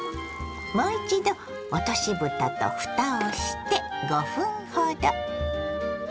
もう一度落としぶたとふたをして５分ほど。